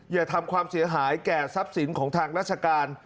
อย่าทำความเสียหายแก่ทรัพย์สินของทางราชการ